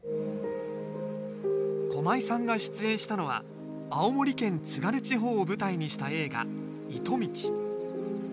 駒井さんが出演したのは青森県津軽地方を舞台にした映画「いとみち」